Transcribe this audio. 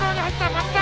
松田！